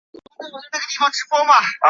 伊是名降落场。